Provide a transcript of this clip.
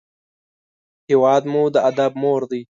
هېواد مو د ادب مور دی